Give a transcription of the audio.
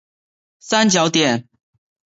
三角点。